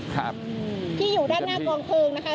ครับที่อยู่ด้านหน้ากองเพลิงนะคะ